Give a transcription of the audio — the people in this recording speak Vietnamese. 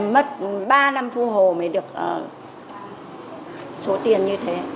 mất ba năm phụ hồ mới được số tiền như thế